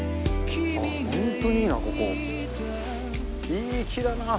いい木だな。